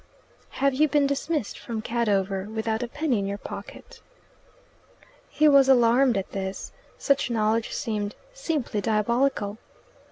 "Have you been dismissed from Cadover, without a penny in your pocket?" He was alarmed at this. Such knowledge seemed simply diabolical.